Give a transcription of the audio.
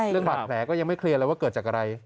บาดแผลก็ยังไม่เคลียร์เลยว่าเกิดจากอะไร